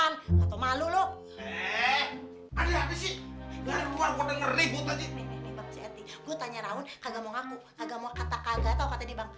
nih bang si eti gue tanya raun kagak mau ngaku kagak mau kata kagak tau katanya di bang